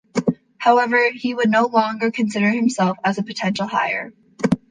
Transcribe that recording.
However, he would no longer consider him as a potential heir.